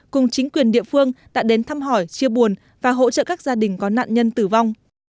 cùng chính quyền địa phương đã đến thăm hỏi chia buồn và hỗ trợ các gia đình có nạn nhân tử vong